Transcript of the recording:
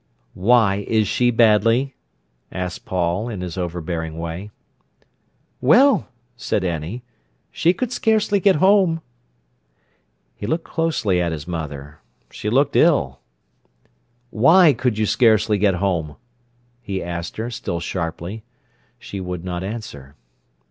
"Why is she badly?" asked Paul, in his overbearing way. "Well!" said Annie. "She could scarcely get home." He looked closely at his mother. She looked ill. "Why could you scarcely get home?" he asked her, still sharply. She would not answer.